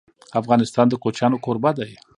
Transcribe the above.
افغانستان د کوچیانو کوربه دی..